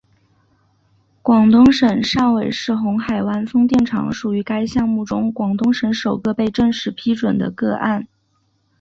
广东省汕尾市红海湾风电厂属于该项目中广东省首个被正式批准的个案。